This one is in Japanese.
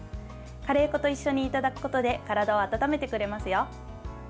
カレー粉と一緒にいただくことで体を温めてくれますよ。